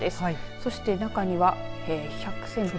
そして中には１００センチ。